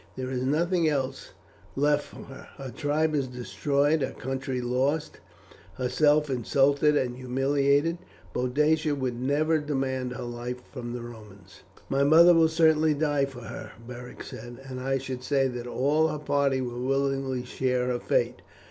There is nothing else left for her, her tribe is destroyed, her country lost, herself insulted and humiliated. Boadicea would never demand her life from the Romans." "My mother will certainly die with her," Beric said, "and I should say that all her party will willingly share her fate.